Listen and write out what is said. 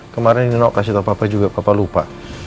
kemarin nino kasih tau papa juga papa lupa